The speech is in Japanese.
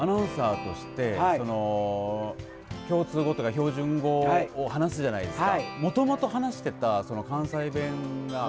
アナウンサーとして共通語とか標準語を話すじゃないですか。